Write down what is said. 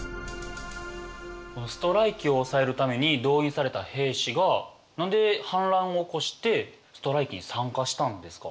ストライキを抑えるために動員された兵士が何で反乱を起こしてストライキに参加したんですか？